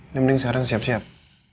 ya mending sekarang siap siap